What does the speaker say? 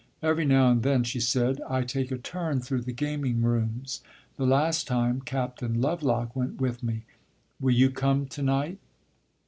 "Every now and then," she said, "I take a turn through the gaming rooms. The last time, Captain Lovelock went with me. Will you come to night?"